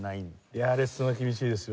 いやレッスンは厳しいですよ。